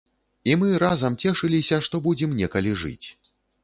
І мы разам цешыліся, што будзем некалі жыць.